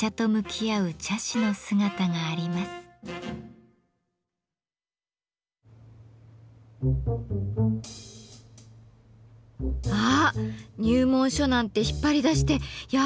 あ入門書なんて引っ張り出してやっぱり！